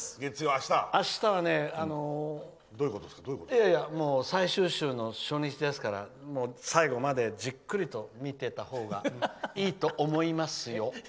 あしたは最終週の初日ですから最後までじっくりと見てたほうがいいと思いますよ。